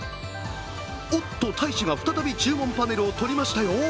おっと、大使が再び注文パネルを取りましたよ。